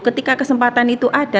ketika kesempatan itu ada